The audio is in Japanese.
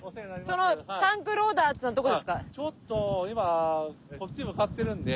そのタンクローダーっていうのはどこですか？